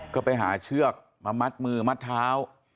ก็ไปหาเชือกมามัดมือมัดเท้า